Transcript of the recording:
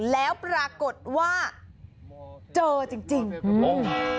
แล้วปรากฏว่าเจอจริง